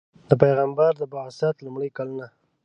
د پیغمبر د بعثت لومړي کلونه.